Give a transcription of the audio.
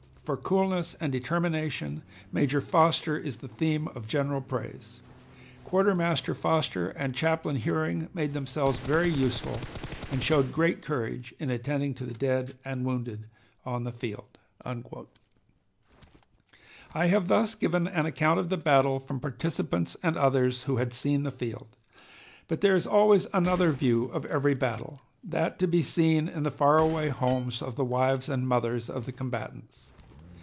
For coolness and determination Major Foster is the theme of general praise.... Quartermaster Foster and Chaplain Huring made themselves very useful, and showed great courage in attending to the dead and wounded on the field. I have thus given an account of the battle from participants and others who had seen the field. But there is always another view of every battle that to be seen in the faraway homes of the wives and mothers of the combatants.